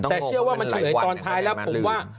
แต่เชื่อว่ามันเฉลยตอนท้ายแล้วผมว่า